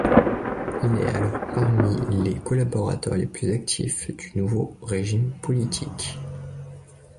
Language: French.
Il est alors parmi les collaborateurs les plus actifs du nouveau régime politique.